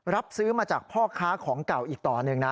รับซื้อมาจากพ่อค้าของเก่าอีกต่อหนึ่งนะ